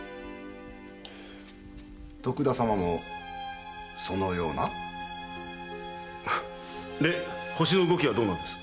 徳田様もそのような？で星の動きはどうなんです？